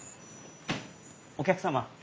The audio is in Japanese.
お客様。